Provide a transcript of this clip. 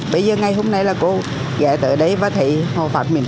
bây giờ ngày hôm nay là cô gãy tới đây và thấy họ phát miễn phí